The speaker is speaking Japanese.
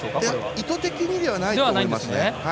意図的にではないと思います。